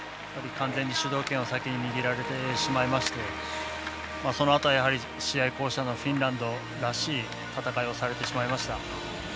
完全に主導権を先に握られてしまいましてそのあとは試合巧者のフィンランドらしい戦いをされてしまいました。